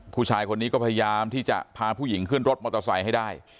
ผู้ชายคนนี้ก็พยายามที่จะพาผู้หญิงขึ้นรถมอเตอร์ไซค์ให้ได้